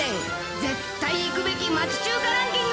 絶対行くべき町中華ランキング。